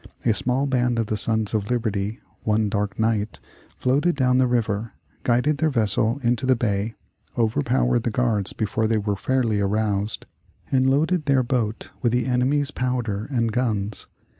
A small band of the Sons of Liberty, one dark night, floated down the river, guided their vessel into the bay, overpowered the guards before they were fairly aroused, and loaded their boat with the enemy's powder and guns.